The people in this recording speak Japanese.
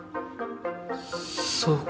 そうか。